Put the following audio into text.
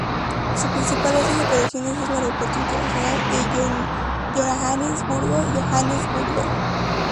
Su principal base de operaciones es el Aeropuerto Internacional de Johannesburgo, Johannesburgo.